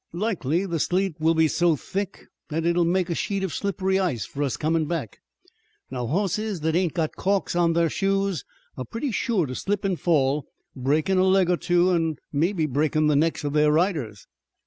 Likely the sleet will be so thick that it will make a sheet of slippery ice for us comin' back. Now, hosses that ain't got calks on thar shoes are pretty shore to slip an' fall, breakin' a leg or two, an' mebbe breakin' the necks of thar riders."